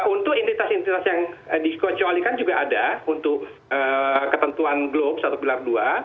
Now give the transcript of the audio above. untuk identitas identitas yang dikecualikan juga ada untuk ketentuan glob satu bilar dua